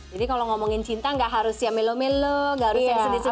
jadi kalau ngomongin cinta nggak harus ya melo melo nggak harus yang sedih sedih